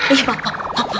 eh pak pak pak